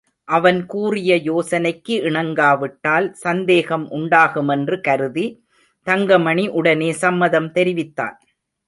அவன் கூறிய யோசனைக்கு இணங்காவிட்டால் சந்தேகம் உண்டாகுமென்று கருதி, தங்கமணி உடனே சம்மதம் தெரிவித்தான்.